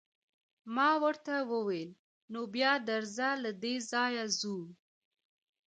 ما ورته وویل: نو بیا درځه، له دې ځایه ځو.